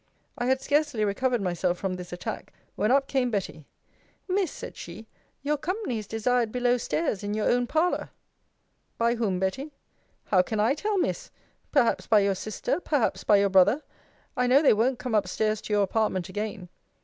I had scarcely recovered myself from this attack, when up came Betty Miss, said she, your company is desired below stairs in your own parlour. By whom, Betty? How can I tell, Miss? perhaps by your sister, perhaps by your brother I know they wont' come up stairs to your apartment again.